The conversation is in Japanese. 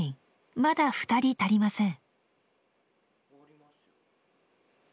まだ２人足りません。